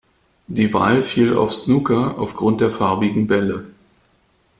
Die Wahl fiel auf Snooker aufgrund der farbigen Bälle.